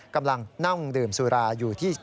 กำลังนั่งดื่มสุราอยู่ที่